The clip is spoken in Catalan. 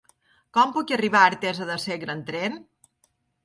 Com puc arribar a Artesa de Segre amb tren?